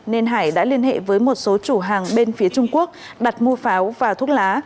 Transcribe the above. nên hải đã liên hệ với một số chủ hàng bên phía trung quốc đặt mua pháo và thuốc lá